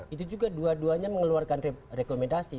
itu juga dua duanya mengeluarkan rekomendasi